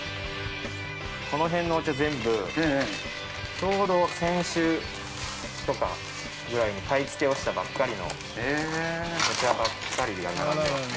この辺のお茶全部ちょうど先週とかぐらいに買い付けをしたばっかりのお茶ばっかりが並んでますね